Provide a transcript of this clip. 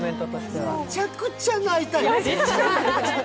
むちゃくちゃ泣いたよ！